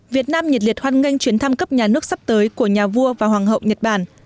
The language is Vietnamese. việt nam nhiệt liệt hoan nghênh chuyến thăm cấp nhà nước sắp tới của nhà vua và hoàng hậu nhật bản